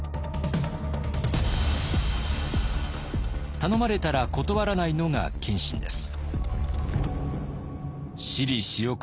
頼まれたら断らないのが謙信です。